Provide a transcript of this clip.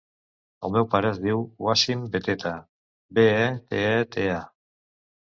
El meu pare es diu Wassim Beteta: be, e, te, e, te, a.